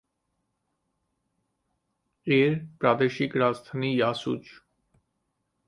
এর প্রাদেশিক রাজধানী ইয়াসুজ।